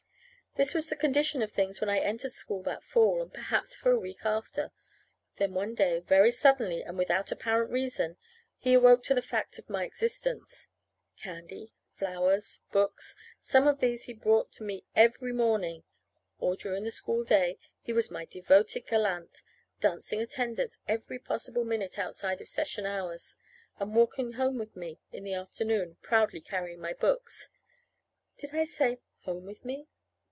This was the condition of things when I entered school that fall, and perhaps for a week thereafter. Then one day, very suddenly, and without apparent reason, he awoke to the fact of my existence. Candy, flowers, books some one of these he brought to me every morning. All during the school day he was my devoted gallant, dancing attendance every possible minute outside of session hours, and walking home with me in the afternoon, proudly carrying my books. Did I say "home with me"?